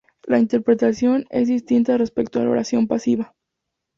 La interpretación es distinta respecto a la oración pasiva.